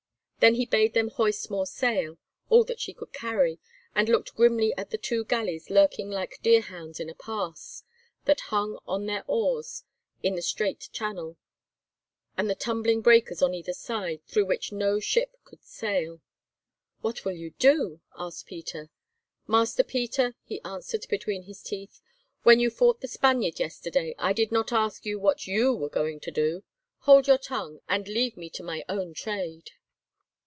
Then he bade them hoist more sail, all that she could carry, and looked grimly at the two galleys lurking like deerhounds in a pass, that hung on their oars in the strait channel, with the tumbling breakers on either side, through which no ship could sail. "What will you do?" asked Peter. "Master Peter," he answered between his teeth, "when you fought the Spaniard yesterday I did not ask you what you were going to do. Hold your tongue, and leave me to my own trade."